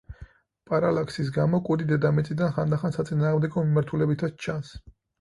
პარალაქსის გამო, კუდი დედამიწიდან ხანდახან საწინააღმდეგო მიმართულებითაც ჩანს.